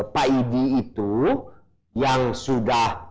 pak idi itu yang sudah